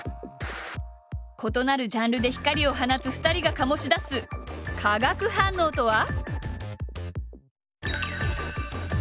異なるジャンルで光を放つ２人が醸し出す化学反応とは？